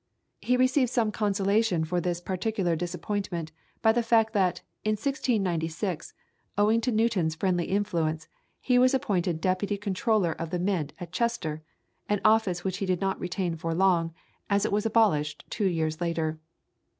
He received some consolation for this particular disappointment by the fact that, in 1696, owing to Newton's friendly influence, he was appointed deputy Controller of the Mint at Chester, an office which he did not retain for long, as it was abolished two years later.